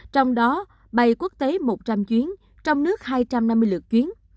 trong đó bay quốc tế một trăm linh chuyến trong nước hai trăm năm mươi lượt chuyến